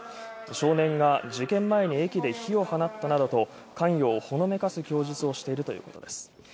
少年が「事件前に駅で火を放った」などと関与をほのめかす供述をしているということです。